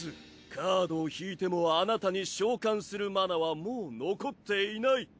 カードを引いてもあなたに召喚するマナはもう残っていない。